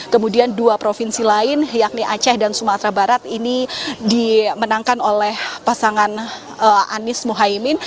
kemudian dua provinsi lain yakni aceh dan sumatera barat ini dimenangkan oleh pasangan anies mohaimin